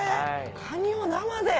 カニを生で。